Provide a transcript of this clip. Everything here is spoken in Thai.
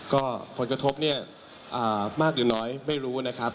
ก็ผลกระทบเนี่ยมากหรือน้อยไม่รู้นะครับ